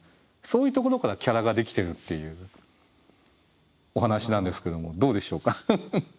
そういうところからキャラができてるっていうお話なんですけどもどうでしょうか？